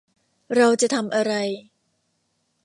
เราจะทำอะไร